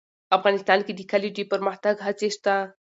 افغانستان کې د کلیو د پرمختګ هڅې شته.